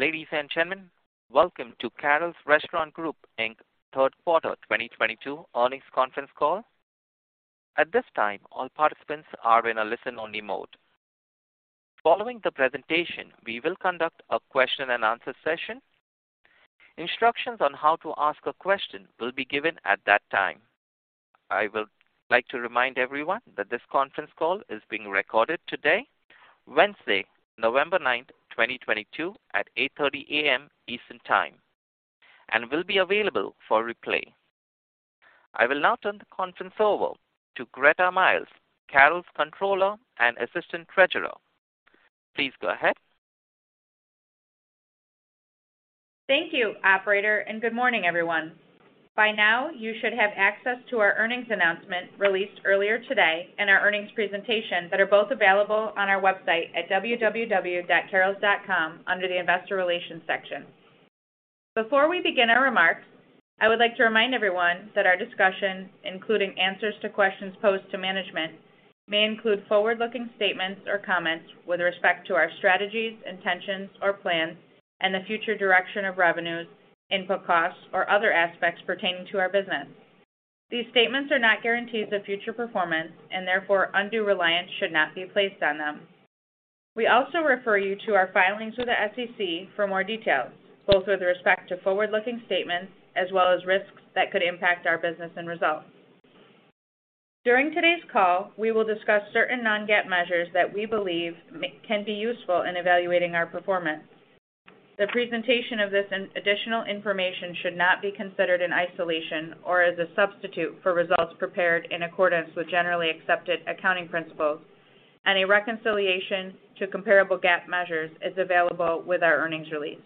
Ladies and gentlemen, welcome to Carrols Restaurant Group, Inc third quarter 2022 earnings conference call. At this time, all participants are in a listen-only mode. Following the presentation, we will conduct a question-and-answer session. Instructions on how to ask a question will be given at that time. I'd like to remind everyone that this conference call is being recorded today, Wednesday, November 9, 2022 at 8:30 A.M. Eastern Time, and will be available for replay. I will now turn the conference over to Gretta Miles, Carrols Controller and Assistant Treasurer. Please go ahead. Thank you, operator, and good morning, everyone. By now, you should have access to our earnings announcement released earlier today and our earnings presentation that are both available on our website at www.carrols.com under the Investor Relations section. Before we begin our remarks, I would like to remind everyone that our discussion, including answers to questions posed to management, may include forward-looking statements or comments with respect to our strategies, intentions, or plans and the future direction of revenues, input costs, or other aspects pertaining to our business. These statements are not guarantees of future performance, and therefore, undue reliance should not be placed on them. We also refer you to our filings with the SEC for more details, both with respect to forward-looking statements as well as risks that could impact our business and results. During today's call, we will discuss certain non-GAAP measures that we believe can be useful in evaluating our performance. The presentation of this in additional information should not be considered in isolation or as a substitute for results prepared in accordance with generally accepted accounting principles, and a reconciliation to comparable GAAP measures is available with our earnings release.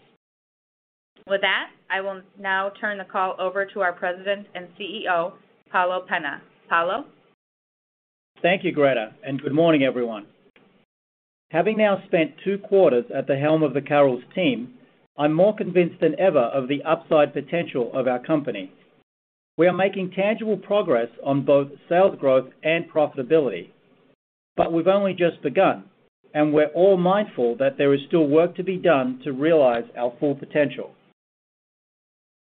With that, I will now turn the call over to our President and CEO, Paulo Pena. Paulo. Thank you, Gretta, and good morning, everyone. Having now spent two quarters at the helm of the Carrols team, I'm more convinced than ever of the upside potential of our company. We are making tangible progress on both sales growth and profitability, but we've only just begun, and we're all mindful that there is still work to be done to realize our full potential.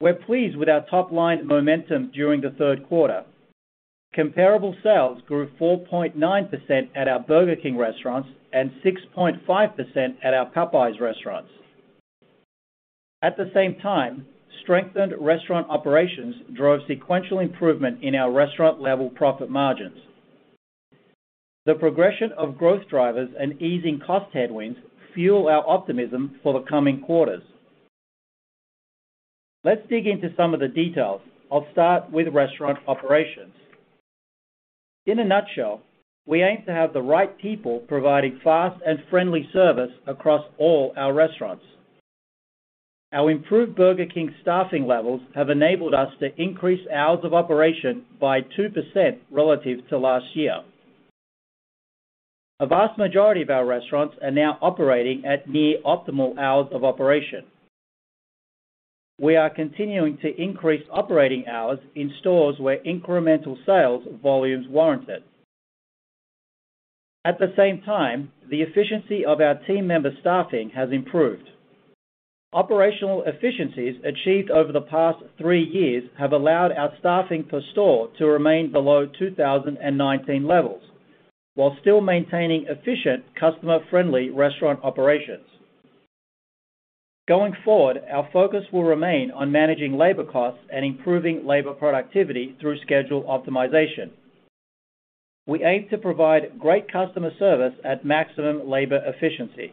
We're pleased with our top-line momentum during the third quarter. Comparable sales grew 4.9% at our Burger King restaurants and 6.5% at our Popeyes restaurants. At the same time, strengthened restaurant operations drove sequential improvement in our restaurant-level profit margins. The progression of growth drivers and easing cost headwinds fuel our optimism for the coming quarters. Let's dig into some of the details. I'll start with restaurant operations. In a nutshell, we aim to have the right people providing fast and friendly service across all our restaurants. Our improved Burger King staffing levels have enabled us to increase hours of operation by 2% relative to last year. A vast majority of our restaurants are now operating at near optimal hours of operation. We are continuing to increase operating hours in stores where incremental sales volumes warrant it. At the same time, the efficiency of our team member staffing has improved. Operational efficiencies achieved over the past three years have allowed our staffing per store to remain below 2019 levels while still maintaining efficient, customer-friendly restaurant operations. Going forward, our focus will remain on managing labor costs and improving labor productivity through schedule optimization. We aim to provide great customer service at maximum labor efficiency.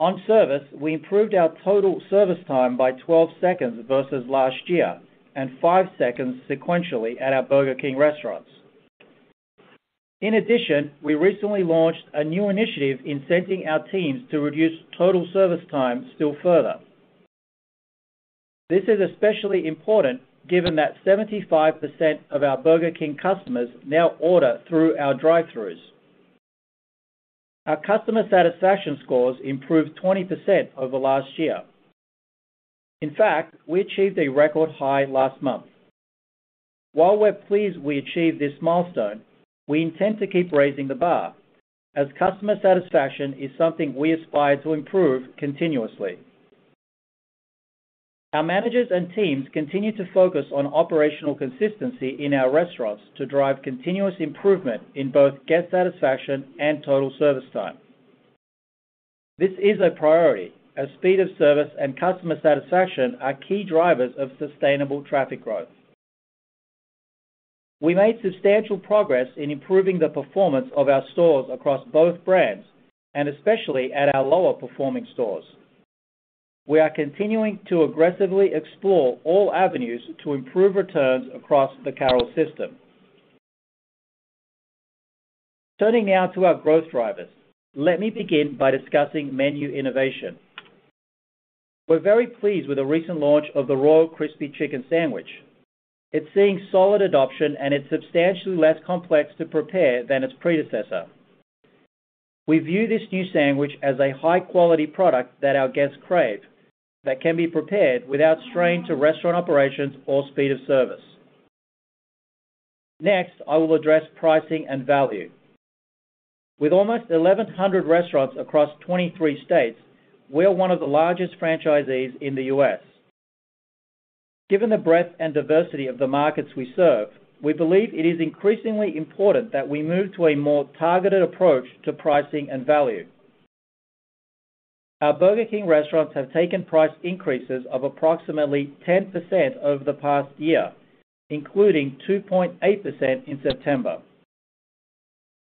On service, we improved our total service time by 12 seconds versus last year and five seconds sequentially at our Burger King restaurants. In addition, we recently launched a new initiative incenting our teams to reduce total service time still further. This is especially important given that 75% of our Burger King customers now order through our drive-throughs. Our customer satisfaction scores improved 20% over last year. In fact, we achieved a record high last month. While we're pleased we achieved this milestone, we intend to keep raising the bar as customer satisfaction is something we aspire to improve continuously. Our managers and teams continue to focus on operational consistency in our restaurants to drive continuous improvement in both guest satisfaction and total service time. This is a priority as speed of service and customer satisfaction are key drivers of sustainable traffic growth. We made substantial progress in improving the performance of our stores across both brands and especially at our lower-performing stores. We are continuing to aggressively explore all avenues to improve returns across the Carrols system. Turning now to our growth drivers. Let me begin by discussing menu innovation. We're very pleased with the recent launch of the Royal Crispy Chicken sandwich. It's seeing solid adoption, and it's substantially less complex to prepare than its predecessor. We view this new sandwich as a high-quality product that our guests crave that can be prepared without strain to restaurant operations or speed of service. Next, I will address pricing and value. With almost 1,100 restaurants across 23 states, we are one of the largest franchisees in the U.S. Given the breadth and diversity of the markets we serve, we believe it is increasingly important that we move to a more targeted approach to pricing and value. Our Burger King restaurants have taken price increases of approximately 10% over the past year, including 2.8% in September.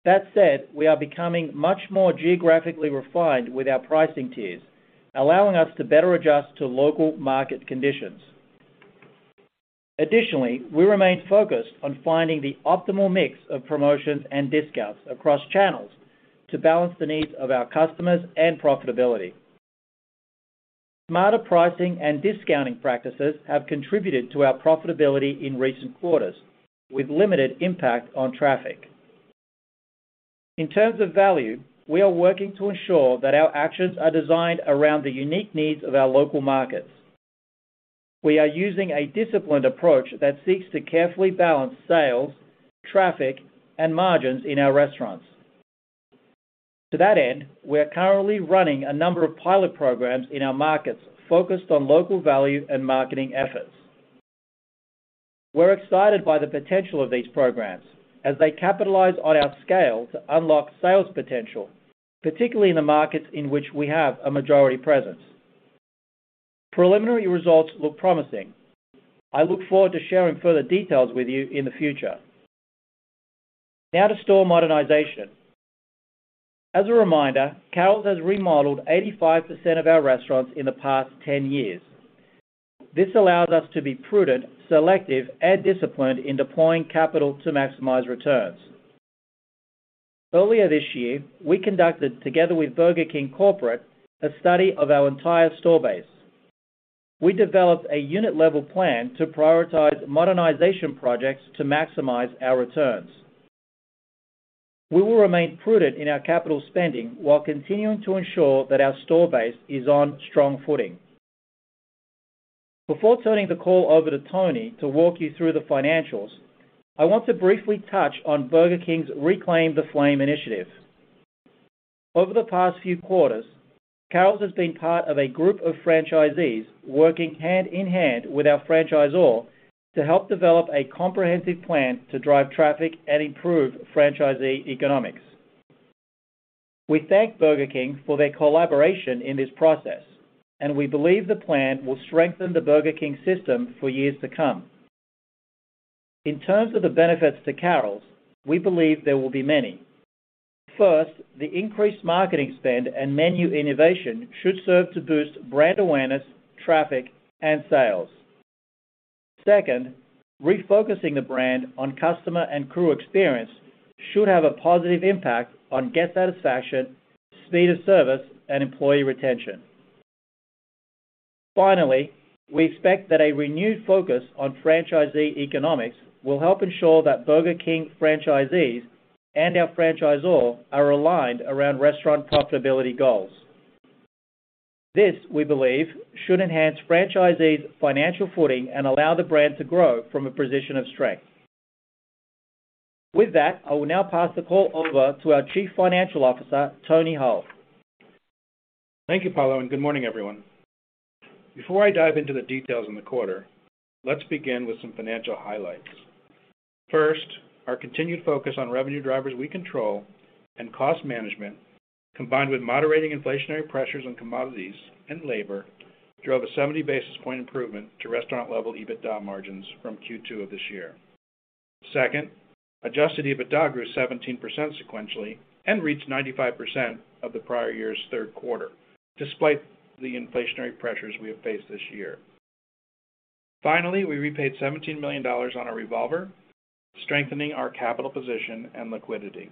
That said, we are becoming much more geographically refined with our pricing tiers, allowing us to better adjust to local market conditions. Additionally, we remain focused on finding the optimal mix of promotions and discounts across channels to balance the needs of our customers and profitability. Smarter pricing and discounting practices have contributed to our profitability in recent quarters with limited impact on traffic. In terms of value, we are working to ensure that our actions are designed around the unique needs of our local markets. We are using a disciplined approach that seeks to carefully balance sales, traffic, and margins in our restaurants. To that end, we are currently running a number of pilot programs in our markets focused on local value and marketing efforts. We're excited by the potential of these programs as they capitalize on our scale to unlock sales potential, particularly in the markets in which we have a majority presence. Preliminary results look promising. I look forward to sharing further details with you in the future. Now to store modernization. As a reminder, Carrols has remodeled 85% of our restaurants in the past 10 years. This allows us to be prudent, selective, and disciplined in deploying capital to maximize returns. Earlier this year, we conducted, together with Burger King Corporation, a study of our entire store base. We developed a unit-level plan to prioritize modernization projects to maximize our returns. We will remain prudent in our capital spending while continuing to ensure that our store base is on strong footing. Before turning the call over to Tony to walk you through the financials, I want to briefly touch on Burger King's Reclaim the Flame initiative. Over the past few quarters, Carrols has been part of a group of franchisees working hand in hand with our franchisor to help develop a comprehensive plan to drive traffic and improve franchisee economics. We thank Burger King for their collaboration in this process, and we believe the plan will strengthen the Burger King system for years to come. In terms of the benefits to Carrols, we believe there will be many. First, the increased marketing spend and menu innovation should serve to boost brand awareness, traffic, and sales. Second, refocusing the brand on customer and crew experience should have a positive impact on guest satisfaction, speed of service, and employee retention. Finally, we expect that a renewed focus on franchisee economics will help ensure that Burger King franchisees and our franchisor are aligned around restaurant profitability goals. This, we believe, should enhance franchisees' financial footing and allow the brand to grow from a position of strength. With that, I will now pass the call over to our Chief Financial Officer, Anthony Hull. Thank you, Paulo, and good morning, everyone. Before I dive into the details on the quarter, let's begin with some financial highlights. First, our continued focus on revenue drivers we control and cost management, combined with moderating inflationary pressures on commodities and labor, drove a 70 basis points improvement to restaurant-level EBITDA margins from Q2 of this year. Second, adjusted EBITDA grew 17% sequentially and reached 95% of the prior year's third quarter, despite the inflationary pressures we have faced this year. Finally, we repaid $17 million on our revolver, strengthening our capital position and liquidity.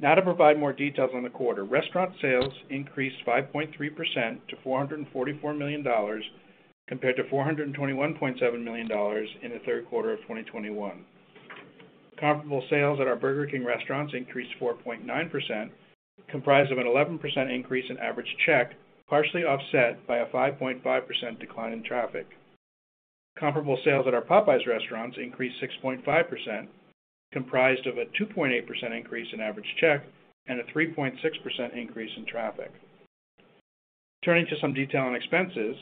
Now to provide more details on the quarter, restaurant sales increased 5.3% to $444 million compared to $421.7 million in the third quarter of 2021. Comparable sales at our Burger King restaurants increased 4.9%, comprised of an 11% increase in average check, partially offset by a 5.5% decline in traffic. Comparable sales at our Popeyes restaurants increased 6.5%, comprised of a 2.8% increase in average check and a 3.6% increase in traffic. Turning to some detail on expenses,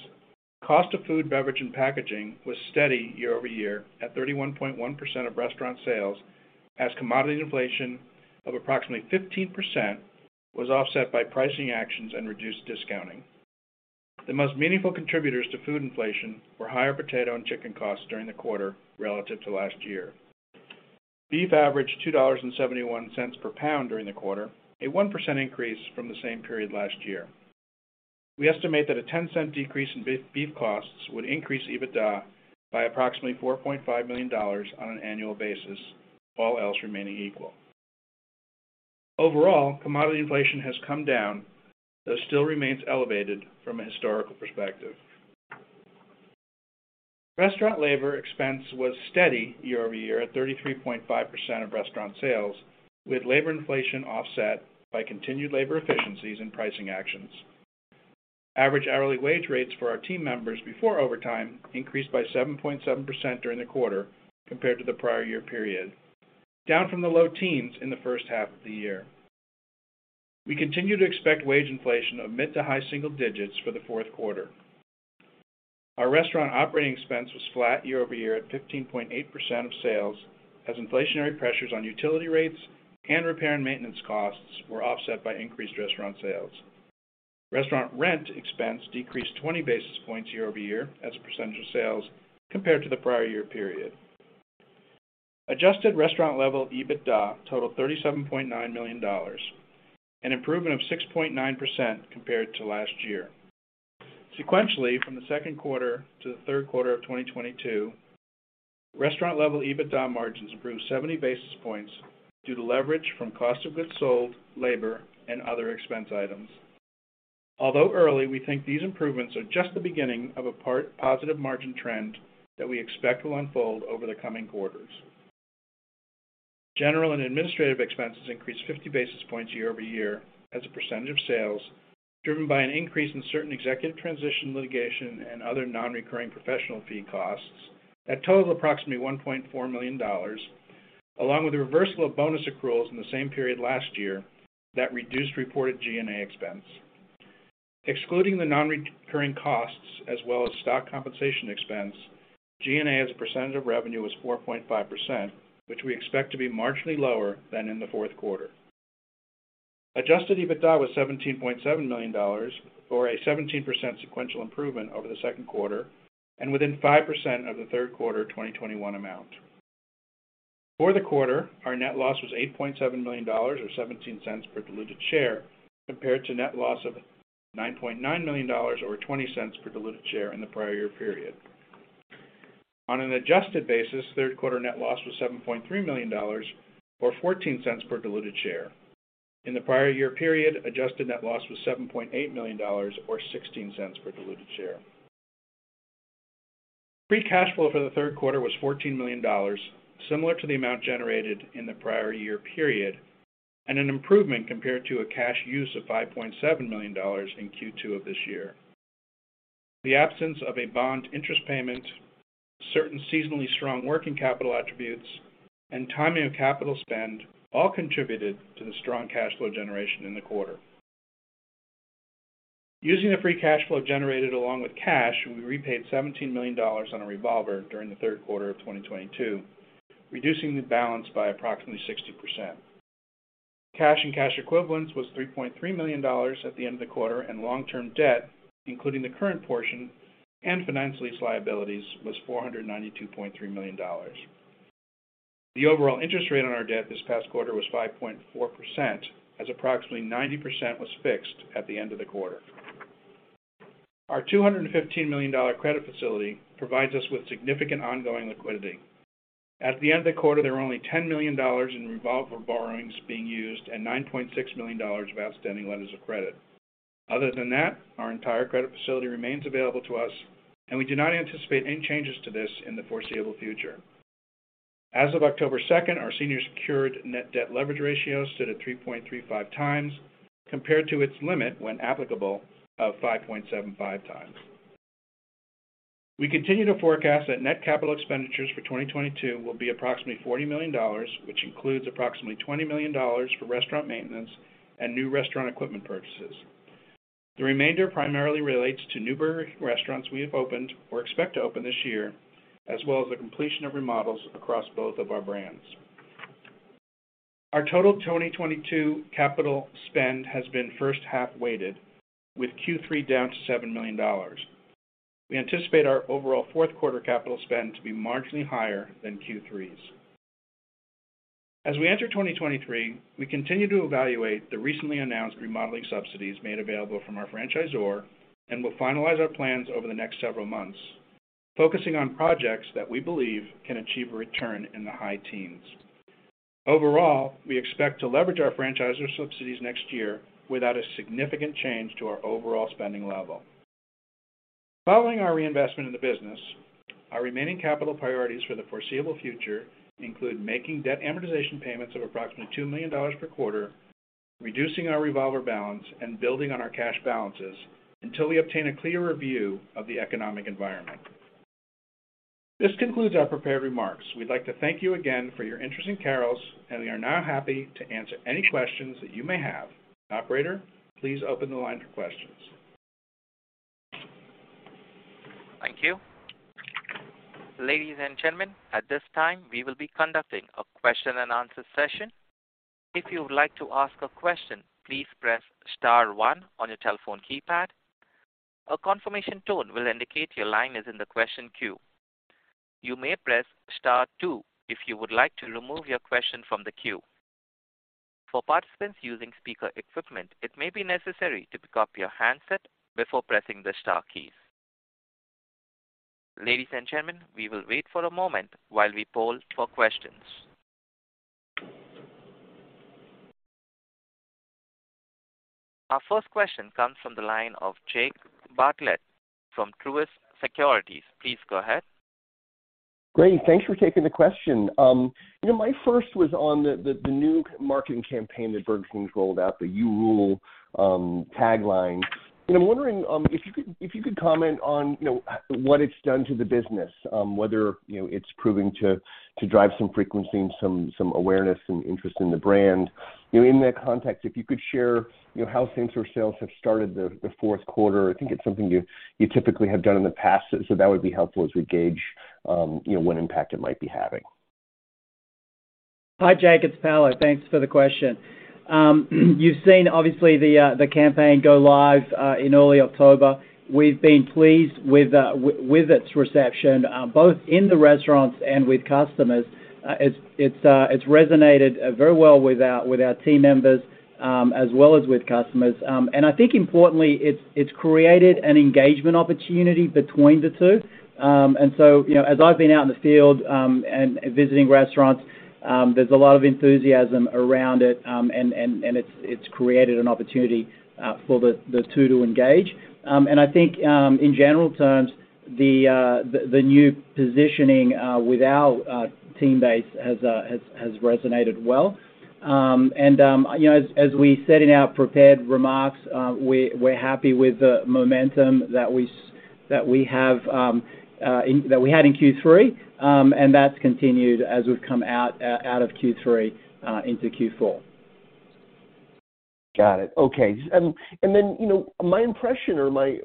cost of food, beverage, and packaging was steady year-over-year at 31.1% of restaurant sales as commodity inflation of approximately 15% was offset by pricing actions and reduced discounting. The most meaningful contributors to food inflation were higher potato and chicken costs during the quarter relative to last year. Beef averaged $2.71 per pound during the quarter, a 1% increase from the same period last year. We estimate that a $0.10 decrease in beef costs would increase EBITDA by approximately $4.5 million on an annual basis, all else remaining equal. Overall, commodity inflation has come down, though still remains elevated from a historical perspective. Restaurant labor expense was steady year-over-year at 33.5% of restaurant sales, with labor inflation offset by continued labor efficiencies and pricing actions. Average hourly wage rates for our team members before overtime increased by 7.7% during the quarter compared to the prior year period, down from the low teens in the first half of the year. We continue to expect wage inflation of mid to high single digits for the fourth quarter. Our restaurant operating expense was flat year-over-year at 15.8% of sales, as inflationary pressures on utility rates and repair and maintenance costs were offset by increased restaurant sales. Restaurant rent expense decreased 20 basis points year-over-year as a percentage of sales compared to the prior year period. Adjusted restaurant-level EBITDA totaled $37.9 million, an improvement of 6.9% compared to last year. Sequentially, from the second quarter to the third quarter of 2022, restaurant-level EBITDA margins improved 70 basis points due to leverage from cost of goods sold, labor, and other expense items. Although early, we think these improvements are just the beginning of a path to positive margin trend that we expect will unfold over the coming quarters. General and administrative expenses increased 50 basis points year-over-year as a percentage of sales, driven by an increase in certain executive transition litigation and other non-recurring professional fee costs that total approximately $1.4 million, along with the reversal of bonus accruals in the same period last year that reduced reported G&A expense. Excluding the non-recurring costs as well as stock compensation expense, G&A as a percentage of revenue was 4.5%, which we expect to be marginally lower than in the fourth quarter. Adjusted EBITDA was $17.7 million, or a 17% sequential improvement over the second quarter and within 5% of the third quarter 2021 amount. For the quarter, our net loss was $8.7 million, or $0.17 per diluted share, compared to net loss of $9.9 million, or $0.20 per diluted share in the prior year period. On an adjusted basis, third quarter net loss was $7.3 million, or $0.14 per diluted share. In the prior year period, adjusted net loss was $7.8 million or $0.16 per diluted share. Free cash flow for the third quarter was $14 million, similar to the amount generated in the prior year period, and an improvement compared to a cash use of $5.7 million in Q2 of this year. The absence of a bond interest payment, certain seasonally strong working capital attributes, and timing of capital spend all contributed to the strong cash flow generation in the quarter. Using the free cash flow generated along with cash, we repaid $17 million on a revolver during the third quarter of 2022, reducing the balance by approximately 60%. Cash and cash equivalents was $3.3 million at the end of the quarter, and long-term debt, including the current portion and finance lease liabilities, was $492.3 million. The overall interest rate on our debt this past quarter was 5.4%, as approximately 90% was fixed at the end of the quarter. Our $215 million credit facility provides us with significant ongoing liquidity. At the end of the quarter, there were only $10 million in revolver borrowings being used and $9.6 million of outstanding letters of credit. Other than that, our entire credit facility remains available to us, and we do not anticipate any changes to this in the foreseeable future. As of October 2nd, our senior secured net debt leverage ratio stood at 3.35x compared to its limit when applicable of 5.75x. We continue to forecast that net capital expenditures for 2022 will be approximately $40 million, which includes approximately $20 million for restaurant maintenance and new restaurant equipment purchases. The remainder primarily relates to new burger restaurants we have opened or expect to open this year, as well as the completion of remodels across both of our brands. Our total 2022 capital spend has been first half weighted, with Q3 down to $7 million. We anticipate our overall fourth quarter capital spend to be marginally higher than Q3's. As we enter 2023, we continue to evaluate the recently announced remodeling subsidies made available from our franchisor and will finalize our plans over the next several months, focusing on projects that we believe can achieve a return in the high teens. Overall, we expect to leverage our franchisor subsidies next year without a significant change to our overall spending level. Following our reinvestment in the business, our remaining capital priorities for the foreseeable future include making debt amortization payments of approximately $2 million per quarter, reducing our revolver balance, and building on our cash balances until we obtain a clearer view of the economic environment. This concludes our prepared remarks. We'd like to thank you again for your interest in Carrols, and we are now happy to answer any questions that you may have. Operator, please open the line for questions. Thank you. Ladies and gentlemen, at this time we will be conducting a question-and-answer session. If you would like to ask a question, please press star one on your telephone keypad. A confirmation tone will indicate your line is in the question queue. You may press star two if you would like to remove your question from the queue. For participants using speaker equipment, it may be necessary to pick up your handset before pressing the star keys. Ladies and gentlemen, we will wait for a moment while we poll for questions. Our first question comes from the line of Jake Bartlett from Truist Securities. Please go ahead. Great. Thanks for taking the question. You know, my first was on the new marketing campaign that Burger King rolled out, the You Rule tagline. I'm wondering if you could comment on, you know, what it's done to the business, whether you know, it's proving to drive some frequency and some awareness and interest in the brand. You know, in that context, if you could share, you know, how same-store sales have started the fourth quarter. I think it's something you typically have done in the past, so that would be helpful as we gauge you know, what impact it might be having. Hi, Jake. It's Paulo. Thanks for the question. You've seen obviously the campaign go live in early October. We've been pleased with its reception both in the restaurants and with customers. It's resonated very well with our team members as well as with customers. I think importantly, it's created an engagement opportunity between the two. You know, as I've been out in the field and visiting restaurants, there's a lot of enthusiasm around it. It's created an opportunity for the two to engage. I think in general terms, the new positioning with our team base has resonated well. You know, as we said in our prepared remarks, we're happy with the momentum that we have, that we had in Q3. That's continued as we've come out of Q3 into Q4. Got it. Okay. You know, my impression or my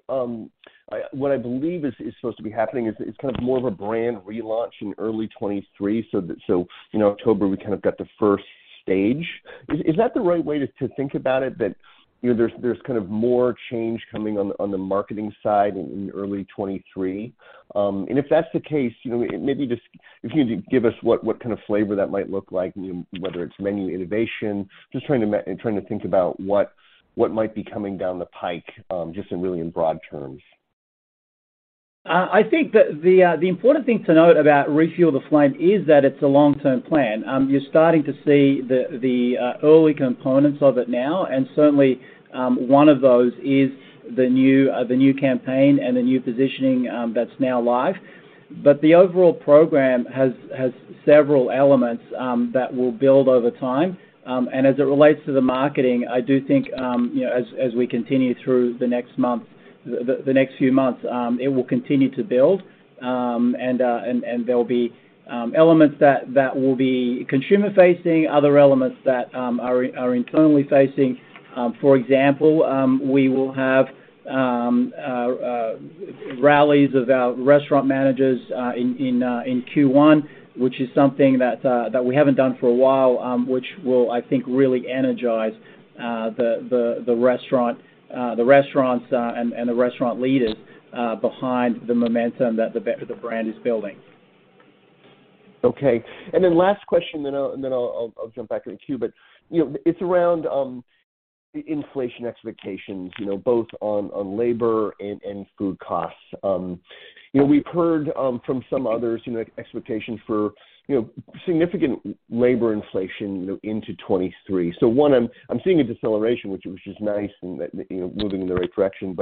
what I believe is supposed to be happening is kind of more of a brand relaunch in early 2023. In October, we kind of got the first stage. Is that the right way to think about it that, you know, there's kind of more change coming on the marketing side in early 2023? If that's the case, you know, maybe just if you could give us what kind of flavor that might look like, you know, whether it's menu innovation. Just trying to think about what might be coming down the pike, just really in broad terms. I think the important thing to note about Reclaim the Flame is that it's a long-term plan. You're starting to see the early components of it now, and certainly, one of those is the new campaign and the new positioning that's now live. The overall program has several elements that will build over time. As it relates to the marketing, I do think, you know, as we continue through the next month, the next few months, it will continue to build. There'll be elements that will be consumer-facing, other elements that are internally facing. For example, we will have rallies of our restaurant managers in Q1, which is something that we haven't done for a while, which will, I think, really energize the restaurants and the restaurant leaders behind the momentum that the brand is building. Okay. Last question, then I'll jump back to the queue. You know, it's around the inflation expectations, you know, both on labor and food costs. You know, we've heard from some others, you know, expectations for significant labor inflation, you know, into 2023. I'm seeing a deceleration, which is nice and that, you know, moving in the right direction.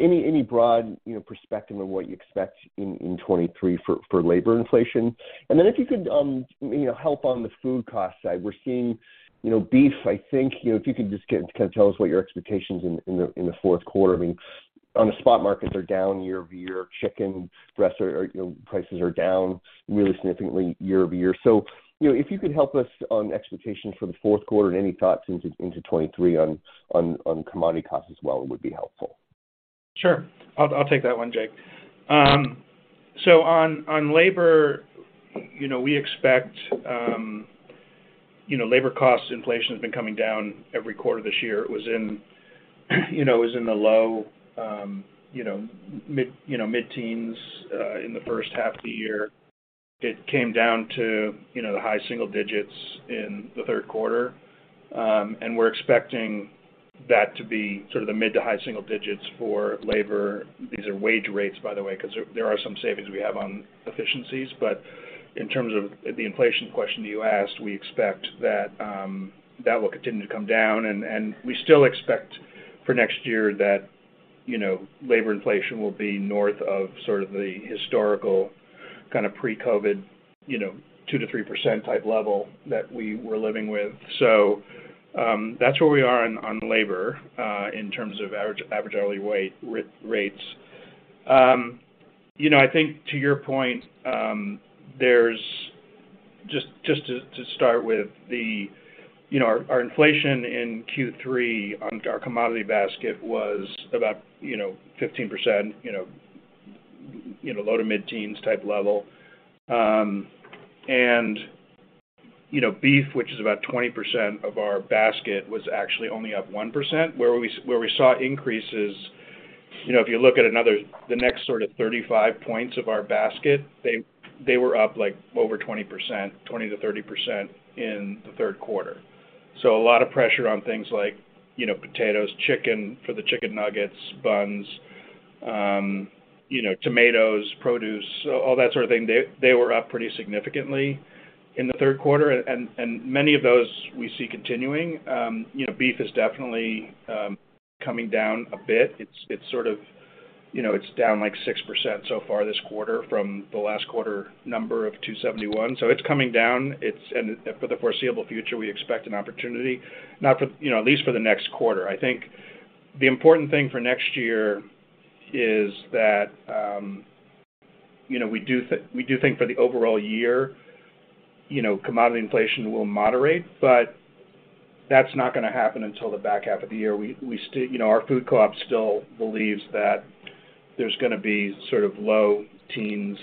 Any broad perspective on what you expect in 2023 for labor inflation? And then if you could, you know, help on the food cost side. We're seeing, you know, beef, I think, you know, if you could just kind of tell us what your expectations in the fourth quarter. I mean, on the spot, markets are down year over year. Chicken breast or, you know, prices are down really significantly year-over-year. You know, if you could help us on expectations for the fourth quarter and any thoughts into 2023 on commodity costs as well would be helpful. Sure. I'll take that one, Jake. So on labor, you know, we expect labor costs inflation has been coming down every quarter this year. It was in the low mid-teens in the first half of the year. It came down to the high single digits in the third quarter. We're expecting that to be sort of the mid to high single digits for labor. These are wage rates, by the way, 'cause there are some savings we have on efficiencies. In terms of the inflation question that you asked, we expect that will continue to come down. We still expect for next year that, you know, labor inflation will be north of sort of the historical kind of pre-COVID, you know, 2%-3% type level that we were living with. That's where we are on labor in terms of average hourly wage rates. You know, I think to your point, just to start with, you know, our inflation in Q3 on our commodity basket was about, you know, 15%, low to mid-teens type level. You know, beef, which is about 20% of our basket, was actually only up 1%. Where we saw increases, you know, if you look at another, the next sort of 35 points of our basket, they were up like over 20%, 20%-30% in the third quarter. A lot of pressure on things like, you know, potatoes, chicken for the chicken nuggets, buns, you know, tomatoes, produce, all that sort of thing. They were up pretty significantly in the third quarter. Many of those we see continuing. You know, beef is definitely coming down a bit. It's sort of, you know, it's down like 6% so far this quarter from the last quarter number of $2.71. It's coming down. For the foreseeable future, we expect an opportunity, not for, you know, at least for the next quarter. I think the important thing for next year is that, you know, we do think for the overall year, you know, commodity inflation will moderate, but that's not gonna happen until the back half of the year. We still you know, our food co-op still believes that there's gonna be sort of low teens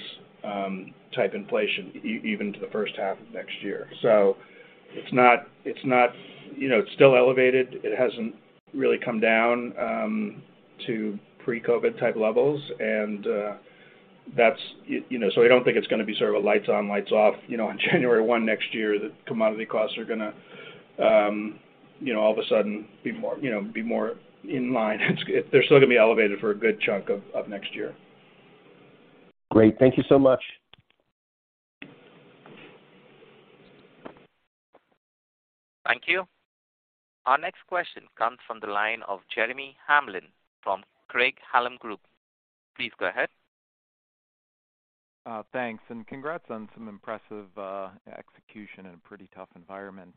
type inflation even to the first half of next year. So it's not you know, it's still elevated. It hasn't really come down to pre-COVID type levels. That's you know, so I don't think it's gonna be sort of a lights on, lights off, you know, on January one next year, that commodity costs are gonna you know, all of a sudden be more you know, be more in line. They're still gonna be elevated for a good chunk of next year. Great. Thank you so much. Thank you. Our next question comes from the line of Jeremy Hamblin from Craig-Hallum Group. Please go ahead. Thanks, and congrats on some impressive execution in a pretty tough environment.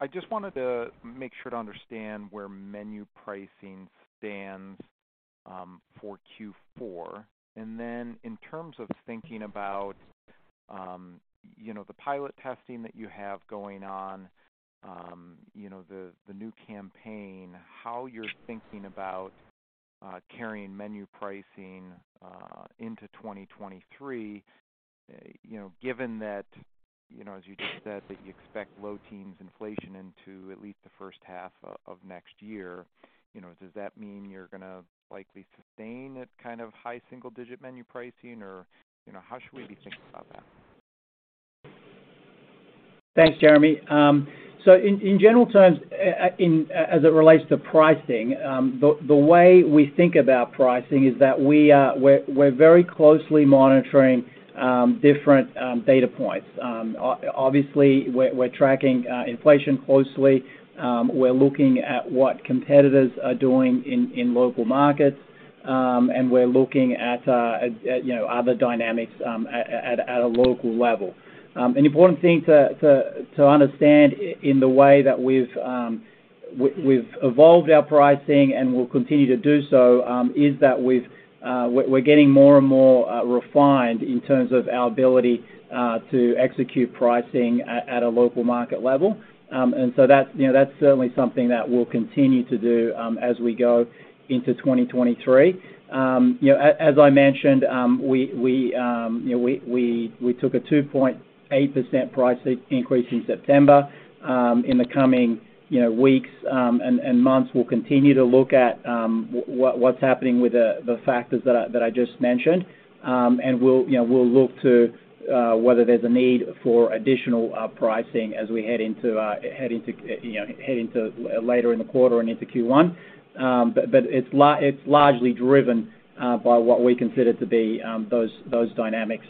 I just wanted to make sure to understand where menu pricing stands for Q4. Then in terms of thinking about, you know, the pilot testing that you have going on, you know, the new campaign, how you're thinking about carrying menu pricing into 2023, you know, given that, you know, as you just said that you expect low-teens inflation into at least the first half of next year, you know, does that mean you're gonna likely sustain that kind of high single-digit menu pricing or, you know, how should we be thinking about that? Thanks, Jeremy. So in general terms, as it relates to pricing, the way we think about pricing is that we're very closely monitoring different data points. Obviously, we're tracking inflation closely. We're looking at what competitors are doing in local markets, and we're looking at, you know, other dynamics at a local level. An important thing to understand in the way that we've evolved our pricing and will continue to do so is that we're getting more and more refined in terms of our ability to execute pricing at a local market level. That's, you know, that's certainly something that we'll continue to do as we go into 2023. You know, as I mentioned, we took a 2.8% price increase in September. In the coming, you know, weeks and months, we'll continue to look at what's happening with the factors that I just mentioned. You know, we'll look to whether there's a need for additional pricing as we head into later in the quarter and into Q1. It's largely driven by what we consider to be those dynamics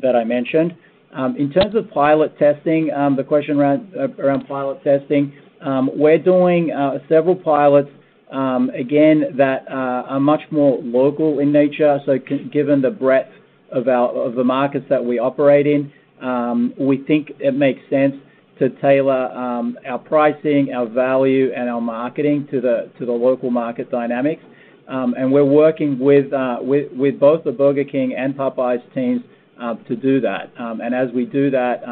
that I mentioned. In terms of pilot testing, the question around pilot testing, we're doing several pilots again that are much more local in nature. Given the breadth of our markets that we operate in, we think it makes sense to tailor our pricing, our value, and our marketing to the local market dynamics. We're working with both the Burger King and Popeyes teams to do that. As we do that,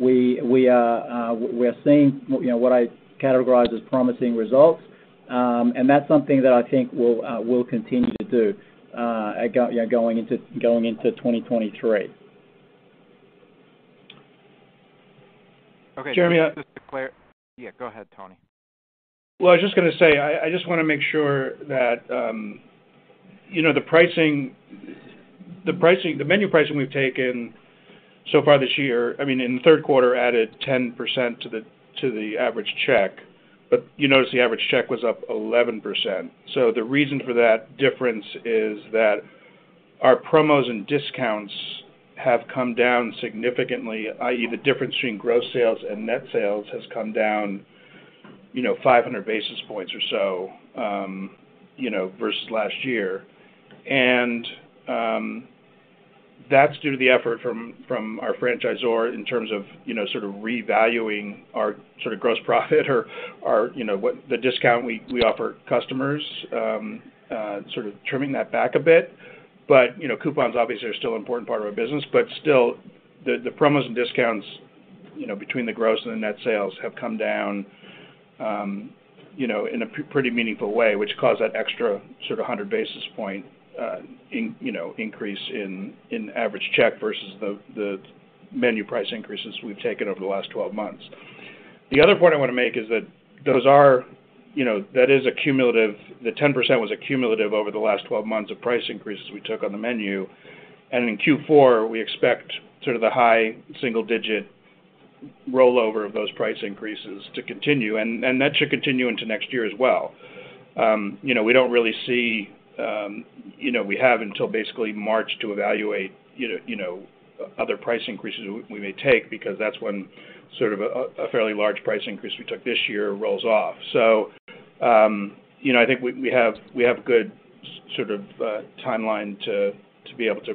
we are seeing, you know, what I'd categorize as promising results. That's something that I think we'll continue to do, you know, going into 2023. Okay. Just to clar— Jeremy? Yeah, go ahead, Tony. I was just gonna say, I just wanna make sure that, you know, the pricing, the menu pricing we've taken so far this year, I mean, in the third quarter added 10% to the average check. You notice the average check was up 11%. The reason for that difference is that our promos and discounts have come down significantly, i.e., the difference between gross sales and net sales has come down, you know, 500 basis points or so, versus last year. That's due to the effort from our franchisor in terms of, you know, sort of revaluing our sort of gross profit or our, you know, the discount we offer customers, sort of trimming that back a bit. You know, coupons obviously are still an important part of our business, but still the promos and discounts, you know, between the gross and the net sales have come down, you know, in a pretty meaningful way, which caused that extra sort of a 100 basis points increase in average check versus the menu price increases we've taken over the last 12 months. The other point I wanna make is that those are, you know, that is a cumulative. The 10% was a cumulative over the last 12 months of price increases we took on the menu. In Q4, we expect sort of the high single-digit rollover of those price increases to continue, and that should continue into next year as well. You know, we don't really see, you know, we have until basically March to evaluate, you know, you know. Other price increases we may take because that's when sort of a fairly large price increase we took this year rolls off. You know, I think we have a good sort of timeline to be able to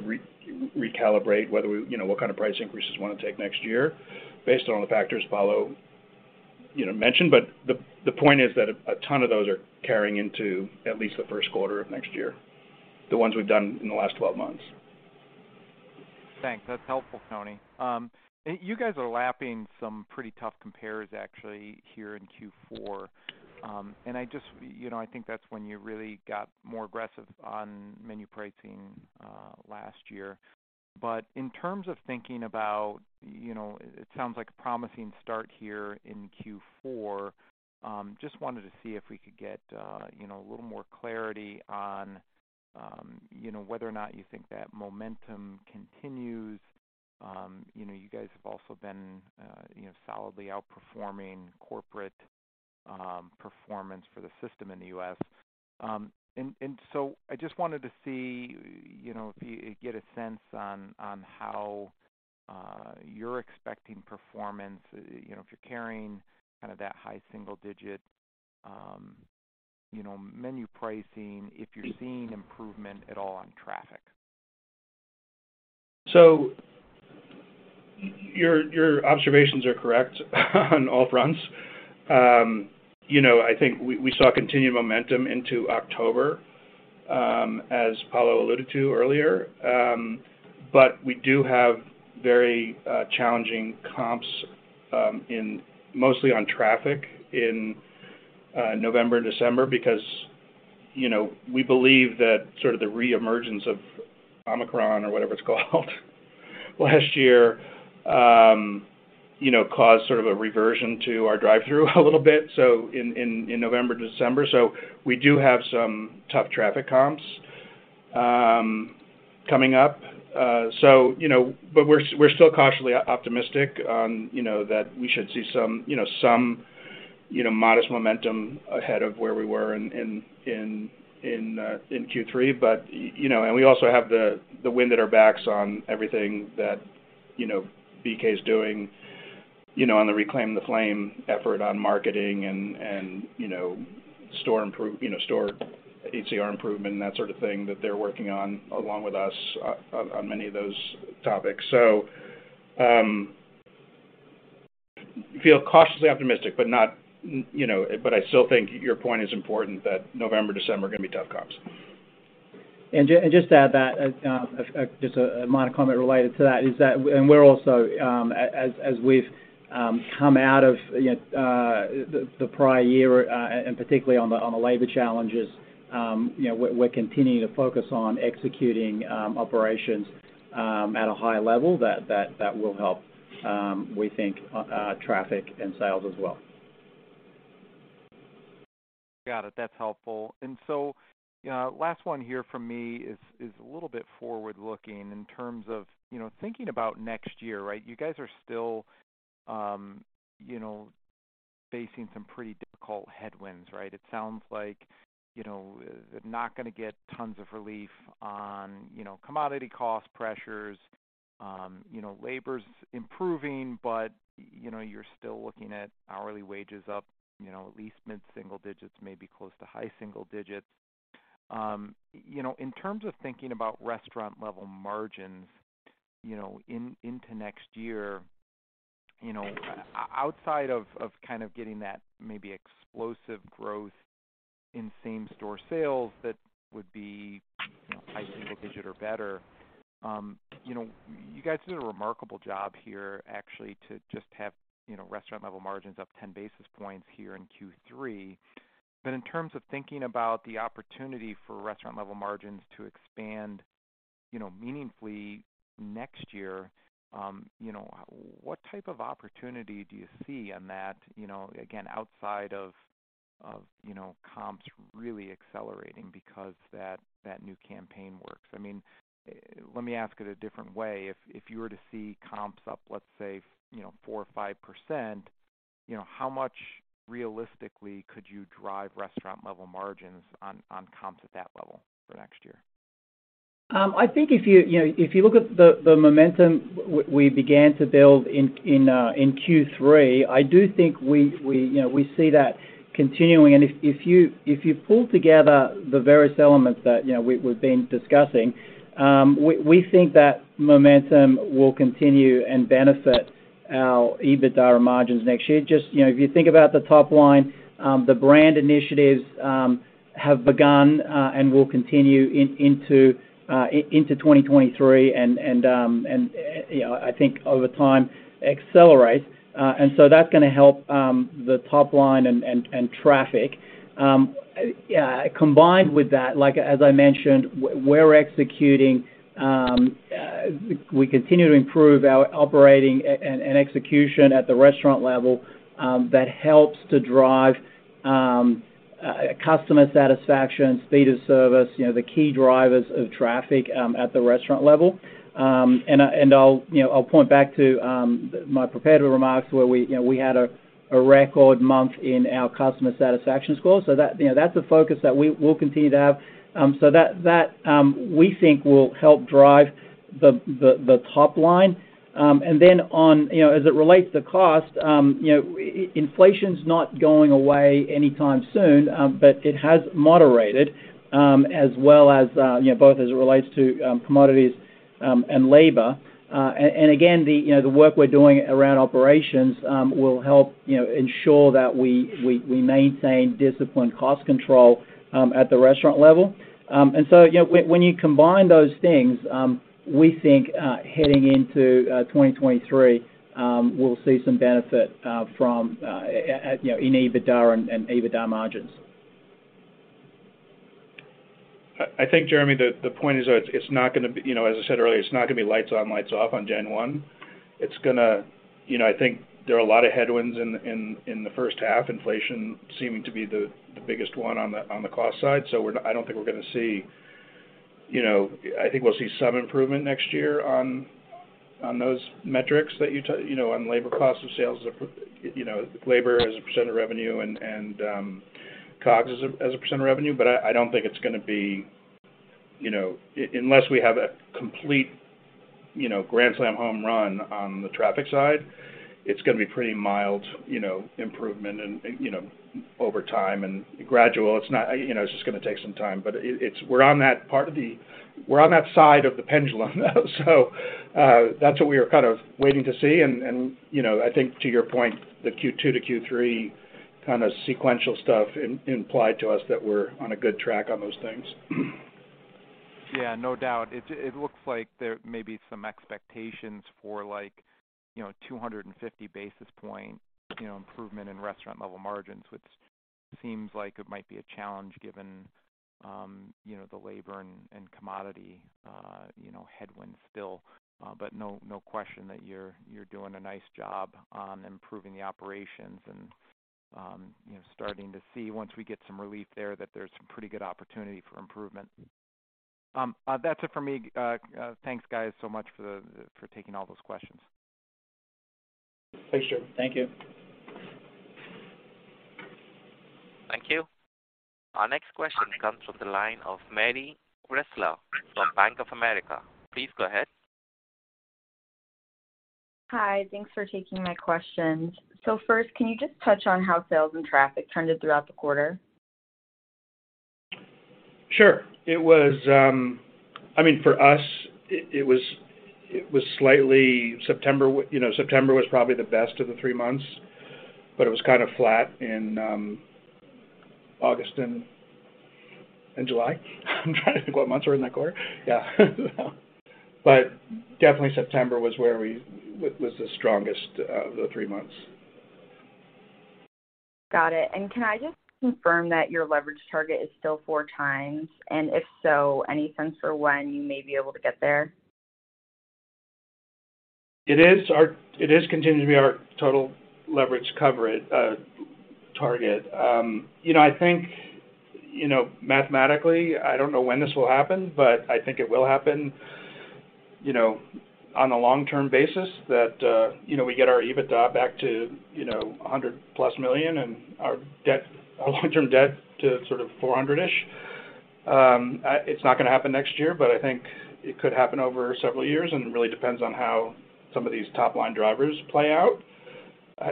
recalibrate whether we you know what kind of price increases wanna take next year based on the factors Paulo you know mentioned. The point is that a ton of those are carrying into at least the first quarter of next year, the ones we've done in the last 12 months. Thanks. That's helpful, Tony. You guys are lapping some pretty tough compares actually here in Q4. I just, you know, I think that's when you really got more aggressive on menu pricing last year. In terms of thinking about, you know, it sounds like a promising start here in Q4, just wanted to see if we could get, you know, a little more clarity on, you know, whether or not you think that momentum continues. You know, you guys have also been, you know, solidly outperforming corporate performance for the system in the U.S. I just wanted to see, you know, if we get a sense on how you're expecting performance, you know, if you're carrying kind of that high single digit, you know, menu pricing, if you're seeing improvement at all on traffic? Your observations are correct on all fronts. You know, I think we saw continued momentum into October, as Paulo alluded to earlier. We do have very challenging comps, mostly on traffic, in November and December because we believe that sort of the reemergence of Omicron or whatever it's called last year, you know, caused sort of a reversion to our drive-thru a little bit, so in November, December. We do have some tough traffic comps coming up. You know, we're still cautiously optimistic on, you know, that we should see some modest momentum ahead of where we were in Q3. You know, and we also have the wind at our backs on everything that you know BK is doing, you know, on the Reclaim the Flame effort on marketing and, you know, store ACR improvement and that sort of thing that they're working on along with us on many of those topics. Feel cautiously optimistic, but not you know. I still think your point is important, that November, December are gonna be tough comps. Just to add that, just a minor comment related to that is that we're also, as we've come out of, you know, the prior year, and particularly on the labor challenges, you know, we're continuing to focus on executing operations at a high level that will help, we think, traffic and sales as well. Got it. That's helpful. Last one here from me is a little bit forward-looking in terms of, you know, thinking about next year, right? You guys are still, you know, facing some pretty difficult headwinds, right? It sounds like, you know, not gonna get tons of relief on, you know, commodity cost pressures. You know, labor's improving, but, you know, you're still looking at hourly wages up, you know, at least mid-single digits, maybe close to high single digits. You know, in terms of thinking about restaurant-level margins, you know, into next year, you know, outside of kind of getting that maybe explosive growth in same store sales, that would be, you know, high single digit or better. You know, you guys did a remarkable job here actually to just have, you know, restaurant-level margins up 10 basis points here in Q3. In terms of thinking about the opportunity for restaurant-level margins to expand, you know, meaningfully next year, you know, what type of opportunity do you see on that, you know, again, outside of, you know, comps really accelerating because that new campaign works? I mean, let me ask it a different way. If you were to see comps up, let's say, you know, 4% or 5%, you know, how much realistically could you drive restaurant-level margins on comps at that level for next year? I think if you know if you look at the momentum we began to build in Q3, I do think you know we see that continuing. If you pull together the various elements that you know we've been discussing, we think that momentum will continue and benefit our EBITDA margins next year. Just you know if you think about the top line, the brand initiatives have begun and will continue into 2023 and you know I think over time accelerate. That's gonna help the top line and traffic. Combined with that, like as I mentioned, we're executing. We continue to improve our operating and execution at the restaurant level. That helps to drive customer satisfaction, speed of service, you know, the key drivers of traffic at the restaurant level. I'll point back to my prepared remarks where we, you know, we had a record month in our customer satisfaction score. That, you know, that's a focus that we will continue to have. That, we think will help drive the top line. Then on, you know, as it relates to cost, you know, inflation's not going away anytime soon, but it has moderated, as well as, you know, both as it relates to commodities and labor. And again, you know, the work we're doing around operations will help, you know, ensure that we maintain disciplined cost control at the restaurant level. You know, when you combine those things, we think heading into 2023, we'll see some benefit from, you know, in EBITDA and EBITDA margins. I think, Jeremy, the point is that it's not gonna be. You know, as I said earlier, it's not gonna be lights on, lights off on January 1. You know, I think there are a lot of headwinds in the first half, inflation seeming to be the biggest one on the cost side. I don't think we're gonna see. You know, I think we'll see some improvement next year on those metrics that you know, on labor cost of sales, you know, labor as a percent of revenue and COGS as a percent of revenue. But I don't think it's gonna be, you know. Unless we have a complete, you know, grand slam home run on the traffic side, it's gonna be pretty mild, you know, improvement and, you know, over time and gradual. It's not. You know, it's just gonna take some time, but it's. We're on that side of the pendulum now. That's what we are kind of waiting to see. You know, I think to your point, the Q2 to Q3 kind of sequential stuff implied to us that we're on a good track on those things. Yeah, no doubt. It looks like there may be some expectations for like, you know, 250 basis points, you know, improvement in restaurant level margins, which seems like it might be a challenge given, you know, the labor and commodity, you know, headwinds still. But no question that you're doing a nice job on improving the operations and, you know, starting to see once we get some relief there that there's some pretty good opportunity for improvement. That's it for me. Thanks, guys, so much for taking all those questions. Thanks, Jeremy. Thank you. Thank you. Our next question comes from the line of Mary Gresla from Bank of America. Please go ahead. Hi. Thanks for taking my questions. First, can you just touch on how sales and traffic trended throughout the quarter? Sure. I mean, for us it was, you know, September was probably the best of the three months, but it was kind of flat in August and July. I'm trying to think what months were in that quarter. Yeah. Definitely September was the strongest of the three months. Got it. Can I just confirm that your leverage target is still 4x? If so, any sense for when you may be able to get there? It is continuing to be our total leverage coverage target. You know, I think, you know, mathematically, I don't know when this will happen, but I think it will happen, you know, on a long-term basis that, you know, we get our EBITDA back to, you know, $100+ million and our debt, our long-term debt to sort of $400-ish million. It's not gonna happen next year, but I think it could happen over several years, and it really depends on how some of these top-line drivers play out,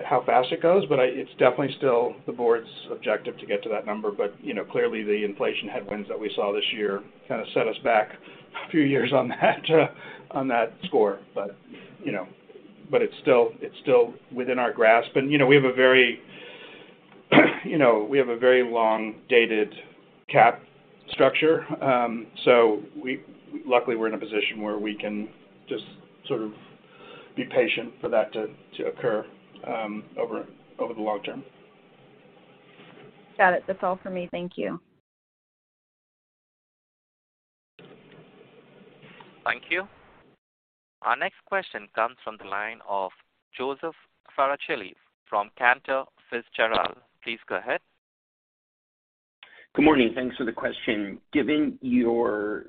how fast it goes. It's definitely still the board's objective to get to that number. You know, clearly, the inflation headwinds that we saw this year kind of set us back a few years on that, on that score. You know, it's still within our grasp. You know, we have a very long dated cap structure. We luckily are in a position where we can just sort of be patient for that to occur over the long term. Got it. That's all for me. Thank you. Thank you. Our next question comes from the line of Joseph Farricielli from Cantor Fitzgerald. Please go ahead. Good morning. Thanks for the question. Given your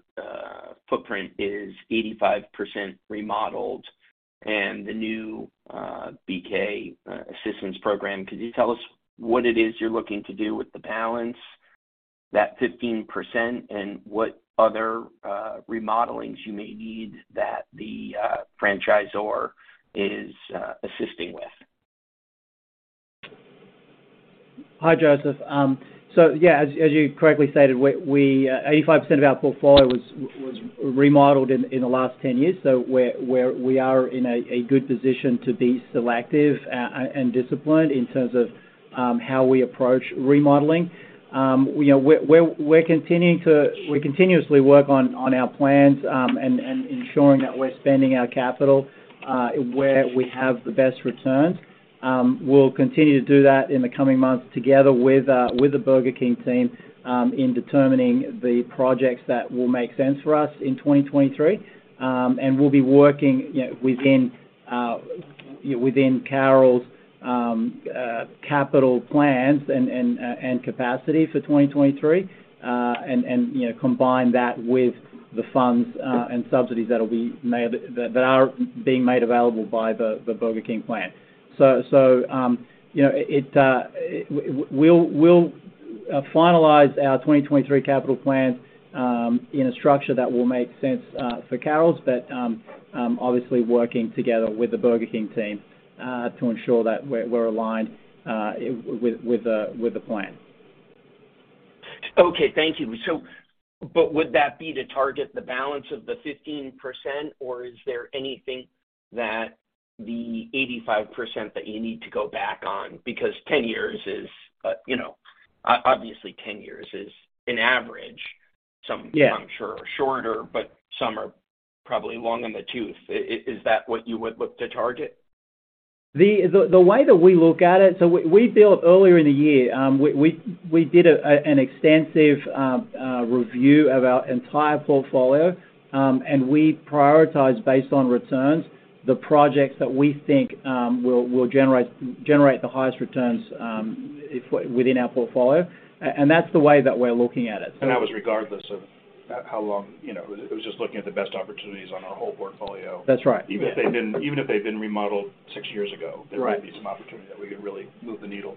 footprint is 85% remodeled and the new BK assistance program, could you tell us what it is you're looking to do with the balance, that 15%, and what other remodelings you may need that the franchisor is assisting with? Hi, Joseph. As you correctly stated, 85% of our portfolio was remodeled in the last 10 years, so we are in a good position to be selective and disciplined in terms of how we approach remodeling. You know, we continuously work on our plans and ensuring that we're spending our capital where we have the best returns. We'll continue to do that in the coming months together with the Burger King team in determining the projects that will make sense for us in 2023. We'll be working, you know, within Carrols capital plans and capacity for 2023, and you know, combine that with the funds and subsidies that are being made available by the Burger King plan. We'll finalize our 2023 capital plan in a structure that will make sense for Carrols, but obviously working together with the Burger King team to ensure that we're aligned with the plan. Okay. Thank you. Would that be to target the balance of the 15%, or is there anything that the 85% that you need to go back on? Because 10 years is, you know, obviously 10 years is an average. Yeah. Some, I'm sure, are shorter, but some are probably long in the tooth. Is that what you would look to target? The way that we look at it. We built earlier in the year, we did an extensive review of our entire portfolio, and we prioritize based on returns the projects that we think will generate the highest returns if within our portfolio, and that's the way that we're looking at it. That was regardless of how long, you know, it was just looking at the best opportunities on our whole portfolio. That's right. Even if they've been remodeled six years ago. Right. There may be some opportunity that we could really move the needle.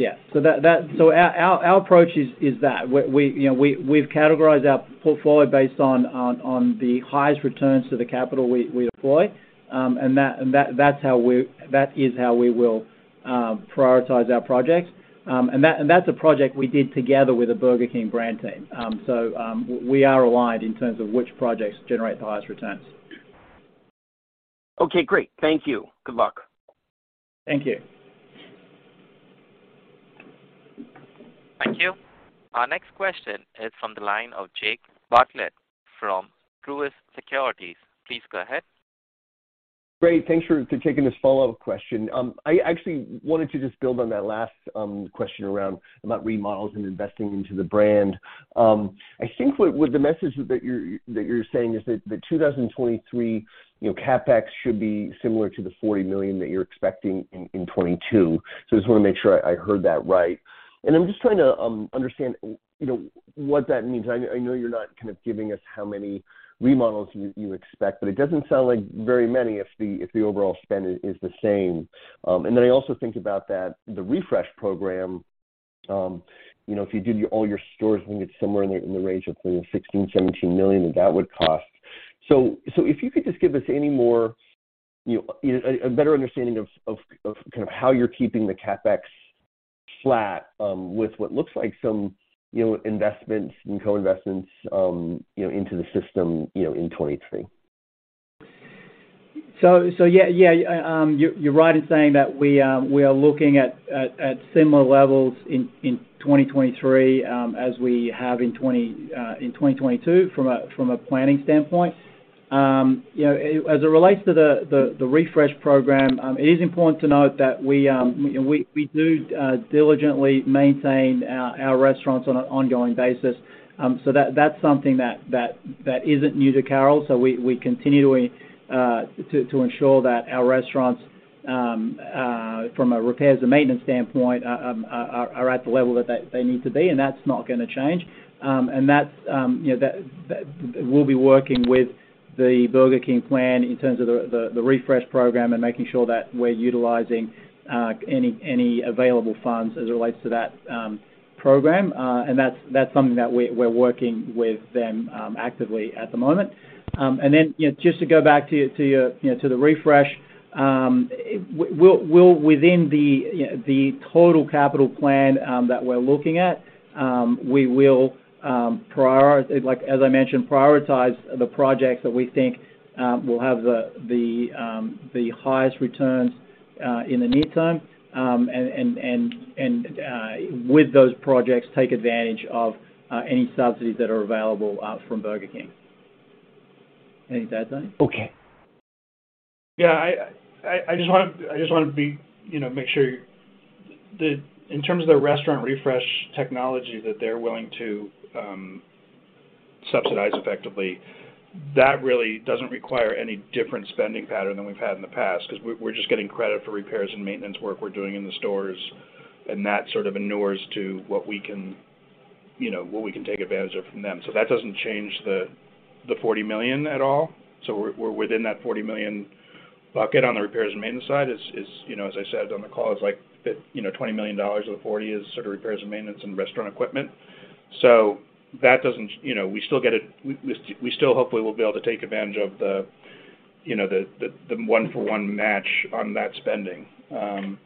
Our approach is that. You know, we've categorized our portfolio based on the highest returns to the capital we deploy, and that's how we will prioritize our projects. That's a project we did together with the Burger King brand team. We are aligned in terms of which projects generate the highest returns. Okay, great. Thank you. Good luck. Thank you. Thank you. Our next question is from the line of Jake Bartlett from Truist Securities. Please go ahead. Great. Thanks for taking this follow-up question. I actually wanted to just build on that last question around about remodels and investing into the brand. I think what the message that you're saying is that the 2023, you know, CapEx should be similar to the $40 million that you're expecting in 2022. I just wanna make sure I heard that right. I'm just trying to understand, you know, what that means. I know you're not kind of giving us how many remodels you expect, but it doesn't sound like very many if the overall spend is the same. I also think about that, the refresh program, you know, if you did all your stores, I think it's somewhere in the range of $16 million-$17 million that would cost. If you could just give us any more, you know, a better understanding of kind of how you're keeping the CapEx flat, with what looks like some, you know, investments and co-investments, you know, into the system, you know, in 2023. You're right in saying that we are looking at similar levels in 2023 as we have in 2022 from a planning standpoint. You know, as it relates to the refresh program, it is important to note that we do diligently maintain our restaurants on an ongoing basis. That's something that isn't new to Carrols. We continually ensure that our restaurants from a repairs and maintenance standpoint are at the level that they need to be, and that's not gonna change. We'll be working with the Burger King plan in terms of the refresh program and making sure that we're utilizing any available funds as it relates to that program. That's something that we're working with them actively at the moment. You know just to go back to your you know to the refresh within the you know the total capital plan that we're looking at we will like as I mentioned prioritize the projects that we think will have the highest returns in the near term and with those projects take advantage of any subsidies that are available from Burger King. Anything to add, Tony? Okay. Yeah, I just wanna be, you know, make sure in terms of the restaurant refresh technology that they're willing to subsidize effectively, that really doesn't require any different spending pattern than we've had in the past 'cause we're just getting credit for repairs and maintenance work we're doing in the stores, and that sort of inures to what we can, you know, what we can take advantage of from them. That doesn't change the $40 million at all. We're within that $40 million bucket on the repairs and maintenance side, you know, as I said on the call, it's like $20 million of the $40 million is sort of repairs and maintenance and restaurant equipment. That doesn't, you know, we still hopefully will be able to take advantage of the one-for-one match on that spending. And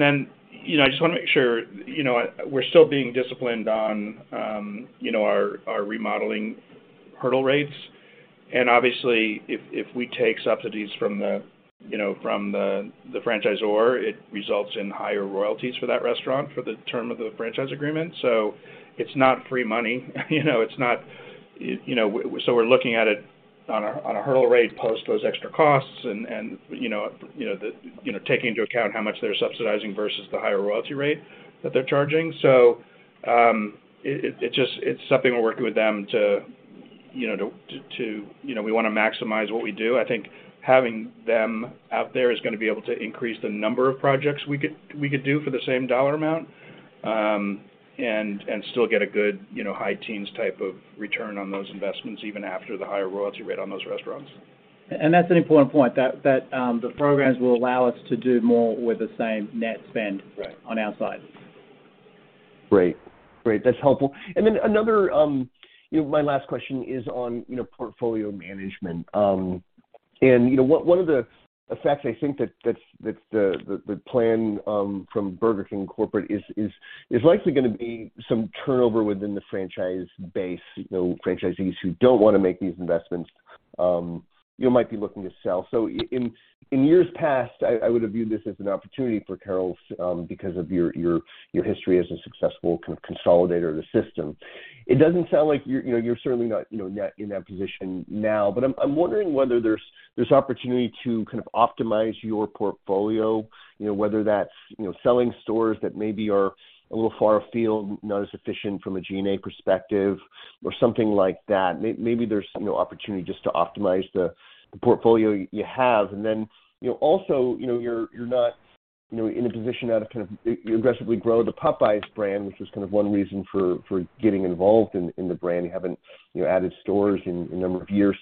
then, you know, I just wanna make sure, you know, we're still being disciplined on, you know, our remodeling hurdle rates. Obviously, if we take subsidies from the franchisor, it results in higher royalties for that restaurant for the term of the franchise agreement. It's not free money. You know, it's not. We're looking at it on a hurdle rate post those extra costs and, you know, taking into account how much they're subsidizing versus the higher royalty rate that they're charging. It's something we're working with them to, you know, we wanna maximize what we do. I think having them out there is gonna be able to increase the number of projects we could do for the same dollar amount. And still get a good, you know, high teens type of return on those investments, even after the higher royalty rate on those restaurants. That's an important point, that the programs will allow us to do more with the same net spend— Right. On our side. Great. Great, that's helpful. Another, you know, my last question is on, you know, portfolio management. One of the effects I think that that's the plan from Burger King corporate is likely gonna be some turnover within the franchise base, you know, franchisees who don't wanna make these investments, you might be looking to sell. In years past, I would have viewed this as an opportunity for Carrols, because of your history as a successful consolidator of the system. It doesn't sound like you're certainly not in that position now. I'm wondering whether there's opportunity to kind of optimize your portfolio, you know, whether that's, you know, selling stores that maybe are a little far afield, not as efficient from a G&A perspective or something like that? Maybe there's, you know, opportunity just to optimize the portfolio you have? You know, also, you know, you're not, you know, in a position now to kind of aggressively grow the Popeyes brand, which is kind of one reason for getting involved in the brand. You haven't, you know, added stores in a number of years.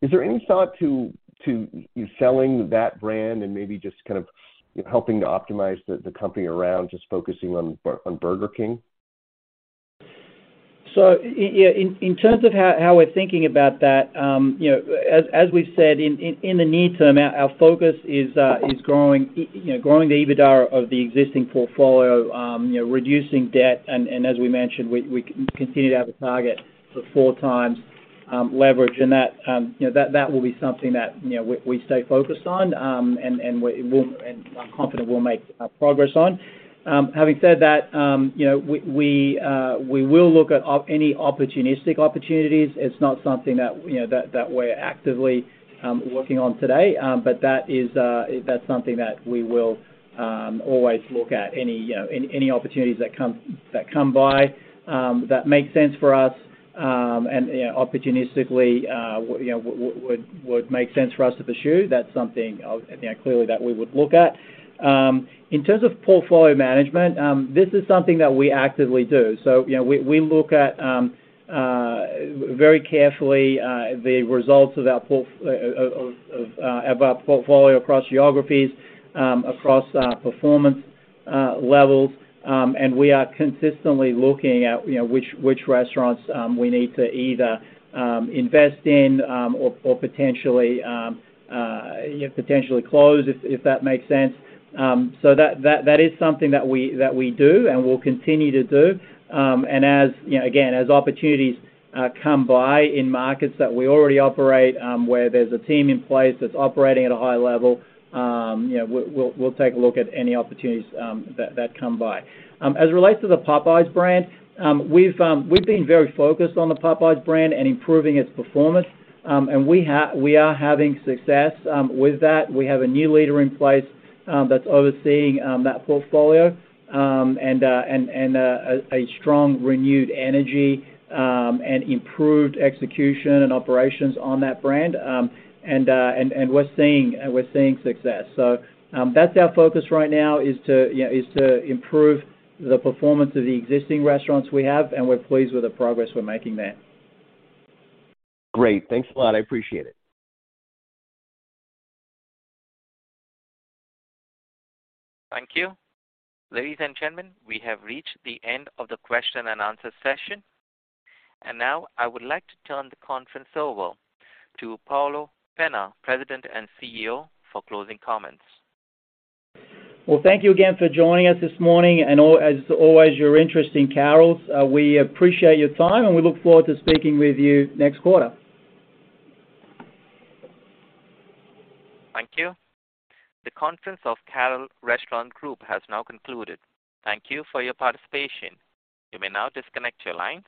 Is there any thought to you selling that brand and maybe just kind of, you know, helping to optimize the company around just focusing on on Burger King? In terms of how we're thinking about that, you know, as we've said in the near term, our focus is, you know, growing the EBITDA of the existing portfolio, reducing debt. As we mentioned, we continue to have a target for 4x leverage. That will be something that, you know, we stay focused on, and I'm confident we'll make progress on. Having said that, you know, we will look at any opportunistic opportunities. It's not something that, you know, we're actively working on today. That is, that's something that we will always look at, any, you know, any opportunities that come by that make sense for us, and, you know, opportunistically, you know, would make sense for us to pursue. That's something you know, clearly that we would look at. In terms of portfolio management, this is something that we actively do. You know, we look at very carefully the results of our portfolio across geographies, across performance levels, and we are consistently looking at, you know, which restaurants we need to either invest in or potentially close if that makes sense. That is something that we do and will continue to do. As you know, again, as opportunities come by in markets that we already operate, where there's a team in place that's operating at a high level, you know, we'll take a look at any opportunities that come by. As it relates to the Popeyes brand, we've been very focused on the Popeyes brand and improving its performance. We are having success with that. We have a new leader in place that's overseeing that portfolio. And a strong renewed energy and improved execution and operations on that brand. And we're seeing success. That's our focus right now is to, you know, improve the performance of the existing restaurants we have, and we're pleased with the progress we're making there. Great. Thanks a lot. I appreciate it. Thank you. Ladies and gentlemen, we have reached the end of the question-and-answer session. Now I would like to turn the conference over to Paulo Pena, President and CEO, for closing comments. Well, thank you again for joining us this morning. As always, you're interested in Carrols. We appreciate your time, and we look forward to speaking with you next quarter. Thank you. The conference of Carrols Restaurant Group has now concluded. Thank you for your participation. You may now disconnect your lines.